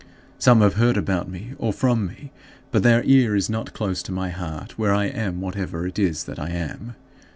Some have heard about me or from me, but their ear is not close to my heart, where I am whatever it is that I am.